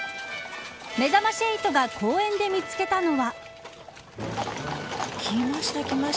めざまし８が公園で見つけたのは。